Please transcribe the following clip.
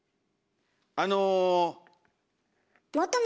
あの。